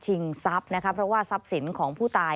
ทรัพย์นะคะเพราะว่าทรัพย์สินของผู้ตาย